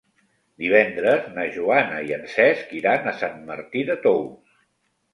Divendres na Joana i en Cesc iran a Sant Martí de Tous.